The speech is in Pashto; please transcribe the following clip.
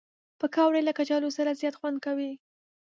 پکورې له کچالو سره زیات خوند کوي